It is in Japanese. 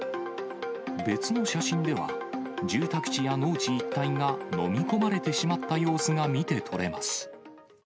別の写真では、住宅地や農地一帯が飲み込まれてしまった様子が見てとれます。